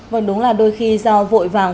vâng đúng là đôi khi do vội vàng